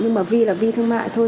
nhưng mà vì là vì thương mại thôi